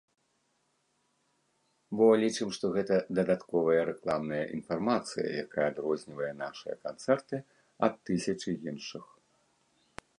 Бо лічым, што гэта дадатковая рэкламная інфармацыя, якая адрознівае нашыя канцэрты ад тысячы іншых.